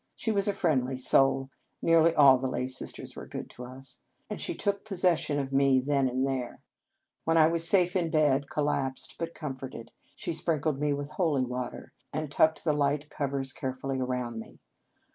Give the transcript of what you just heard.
She was a friendly soul (nearly all the lay sisters were good to us), and she took pos In Our Convent Days session of me then and there. When I was safe in bed, collapsed but comforted, she sprinkled me with holy water, and tucked the light cov ers carefully around me.